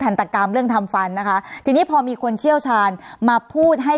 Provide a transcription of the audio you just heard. ตกรรมเรื่องทำฟันนะคะทีนี้พอมีคนเชี่ยวชาญมาพูดให้